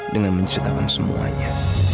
dengan menceritakan semuanya